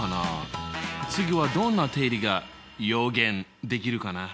次はどんな定理がよげんできるかな？